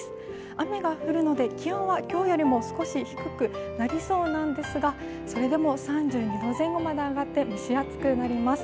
雨が降るので気温は今日よりも少し低くなりそうなんですが、それでも３２度前後まで上がって蒸し暑くなります。